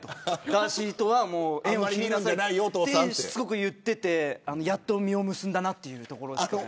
ガーシーとは縁を切りなさいとしつこく言っていてやっと実を結んだなというところです。